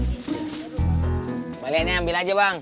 kembali aja nih ambil aja bang